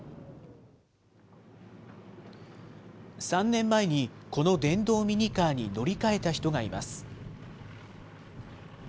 ３年前に、この電動ミニカーに乗り換えた人がいます。